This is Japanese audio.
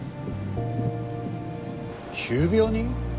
急病人？